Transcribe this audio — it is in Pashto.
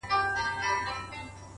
شل او دېرش کاله پخوا یې ښخولم!.